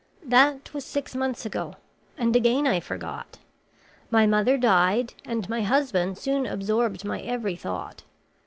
"That was six months ago; and again I forgot. My mother died and my husband soon absorbed my every thought.